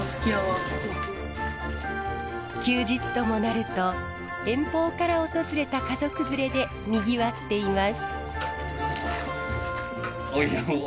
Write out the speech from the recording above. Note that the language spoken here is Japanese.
休日ともなると遠方から訪れた家族連れでにぎわっています。